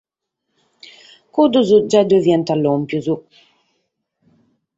Cuddos già ddoe fiant lòmpidos.